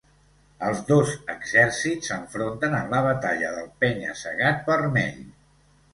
Els dos exèrcits s'enfronten en la Batalla del Penya-Segat vermell.